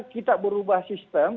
kita berubah sistem